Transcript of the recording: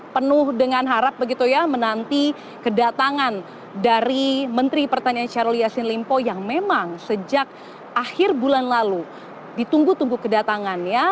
penuh dengan harap begitu ya menanti kedatangan dari menteri pertanian syahrul yassin limpo yang memang sejak akhir bulan lalu ditunggu tunggu kedatangannya